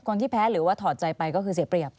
คนที่แพ้หรือว่าถอดใจไปก็คือเสียเปรียบ